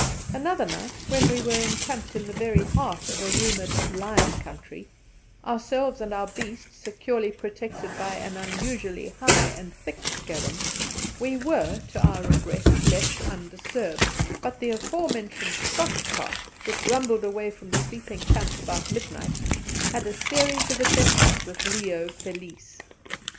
Another night, when we were encamped in the very heart of a rumoured "lion country," ourselves and our beasts securely protected by an unusually high and thick "skerm," we were, to our regret, left undisturbed; but the aforementioned Scotch cart, which rumbled away from the sleeping camp about midnight, had a series of adventures with Leo felis.